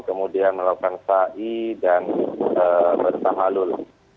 kemudian melakukan fa'i dan bersama luluh